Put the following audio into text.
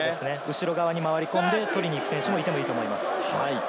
後ろ側に回り込んで取りに行く選手がいてもいいと思います。